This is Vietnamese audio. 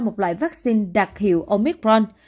một loại vaccine đặc hiệu omicron